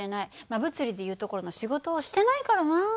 物理でいうところの仕事をしてないからな。